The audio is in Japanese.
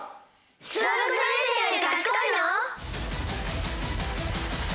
小学５年生より賢いの？